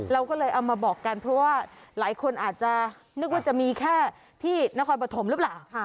เราก็เลยเอามาบอกกันเพราะว่าหลายคนอาจจะนึกว่าจะมีแค่ที่นครปฐมหรือเปล่า